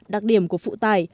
đặc điểm của phụ tài